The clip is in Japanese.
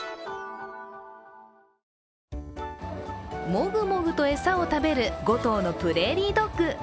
もぐもぐと餌を食べる５頭のプレーリードッグ。